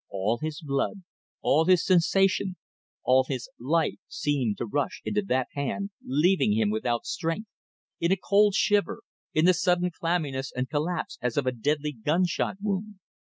All his blood, all his sensation, all his life seemed to rush into that hand leaving him without strength, in a cold shiver, in the sudden clamminess and collapse as of a deadly gun shot wound.